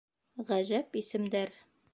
Ғәжәп исемдәр